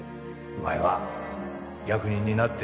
お前は役人になって